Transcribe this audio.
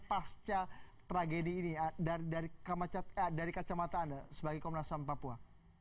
pasca tragedi ini dari kacamata anda sebagai komnas ham papua